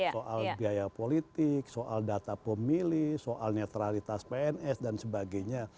soal biaya politik soal data pemilih soal netralitas pns dan sebagainya